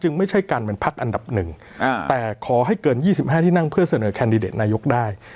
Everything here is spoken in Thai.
ไม่ใช่การเป็นพักอันดับหนึ่งแต่ขอให้เกิน๒๕ที่นั่งเพื่อเสนอแคนดิเดตนายกได้